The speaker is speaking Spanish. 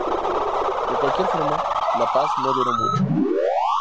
De cualquier forma, la paz no duró mucho.